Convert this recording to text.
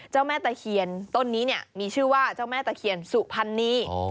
เจ้าแม่ตะเคียนต้นนี้มีชื่อว่าเจ้าแม่ตะเคียนสุพันนี